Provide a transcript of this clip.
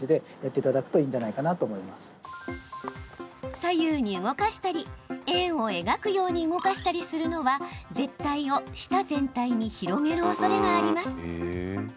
左右に動かしたり円を描くように動かしたりするのは、舌たいを舌全体に広げるおそれがあります。